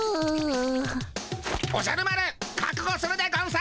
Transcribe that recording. おじゃる丸かくごするでゴンス。